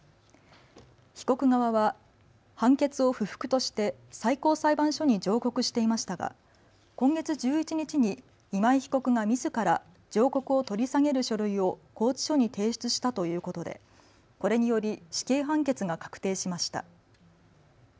被告側は判決を不服として最高裁判所に上告していましたが今月１１日に今井被告がみずから上告を取り下げる書類を拘置所に提出したということでこれにより死刑判決が確定しました。